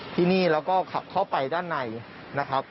ที่นี่แล้วก็ขับเข้าไปด้านในนะครับ